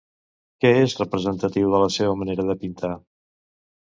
Què és representatiu de la seva manera de pintar?